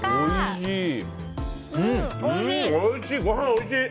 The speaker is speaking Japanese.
おいしい。